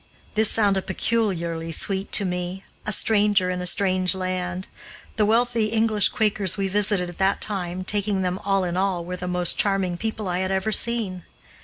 This sounded peculiarly sweet to me a stranger in a strange land. The wealthy English Quakers we visited at that time, taking them all in all, were the most charming people I had ever seen.